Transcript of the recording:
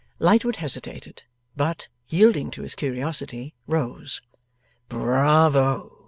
Lightwood hesitated; but, yielding to his curiosity, rose. 'Bravo!